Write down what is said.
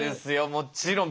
もちろん。